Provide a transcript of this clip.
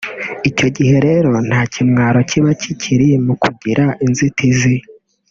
icyo gihe rero nta kimwaro kiba kikiri mu kugira inzitizi